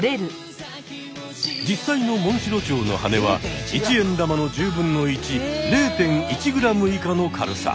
実際のモンシロチョウのはねは１円玉の１０分の１０．１ｇ以下の軽さ！